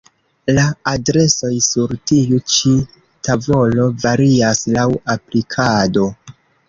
La adresoj sur tiu ĉi tavolo varias laŭ aplikado.